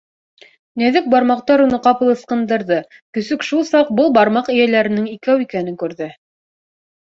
Нәҙек бармаҡтар уны ҡапыл ысҡындырҙы, көсөк шул саҡ был бармаҡ эйәләренең икәү икәнен күрҙе.